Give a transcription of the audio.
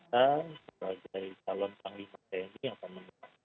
kalau kita dikawal tanggung jawab ini akan menurut saya